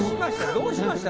どうしました？